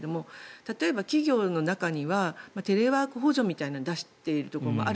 例えば、企業の中にはテレワーク補助みたいなのを出しているところもある。